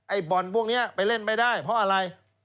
บ่อนพวกนี้ไปเล่นไม่ได้เพราะอะไร